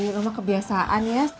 lo mah kebiasaan ya